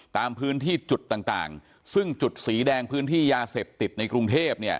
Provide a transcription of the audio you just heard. ตามพื้นที่จุดต่างซึ่งจุดสีแดงพื้นที่ยาเสพติดในกรุงเทพเนี่ย